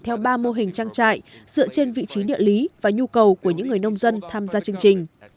theo ba mô hình trang trại dựa trên vị trí địa lý và nhu cầu của những người nông dân tham gia chương trình